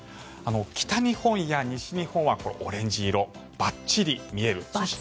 北日本や西日本はオレンジ色、ばっちり見える。